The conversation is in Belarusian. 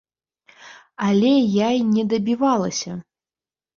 Але я й не дабівалася!